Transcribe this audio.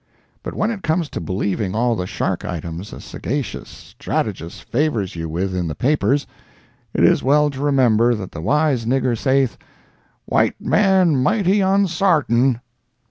But when it comes to believing all the shark items a sagacious strategist favors you with in the papers, it is well to remember that the wise nigger saith "white man mighty onsartain."